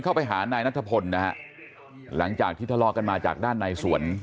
เข้าไปหานายนัทพลนะฮะหลังจากที่ทะเลาะกันมาจากด้านในสวน